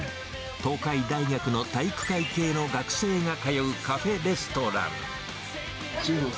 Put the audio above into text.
東海大学の体育会系の学生が通うカフェレストラン。